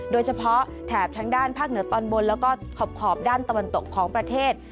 แถบทางด้านภาคเหนือตอนบนแล้วก็ขอบด้านตะวันตกของประเทศ